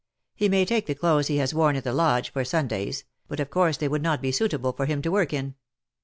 He may take the clothes he has worn at the lodge, for Sundays, but of course they would not be suitable for him to work in."